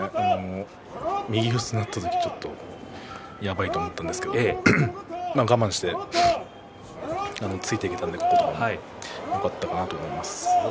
右四つになった時ちょっとやばいと思ったんですけど、我慢して突いていけたのでよかったかなと思います。